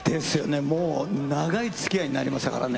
もう長いつきあいになりましたからね。